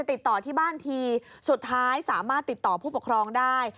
ติดต่อที่บ้านทีสุดท้ายสามารถติดต่อผู้ปกครองได้